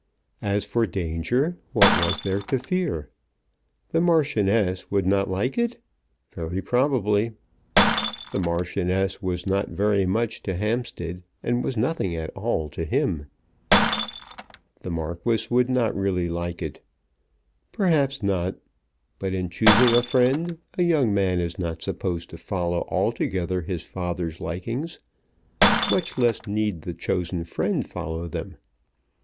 As for danger, what was there to fear? The Marchioness would not like it? Very probably. The Marchioness was not very much to Hampstead, and was nothing at all to him. The Marquis would not really like it. Perhaps not. But in choosing a friend a young man is not supposed to follow altogether his father's likings, much less need the chosen friend follow them.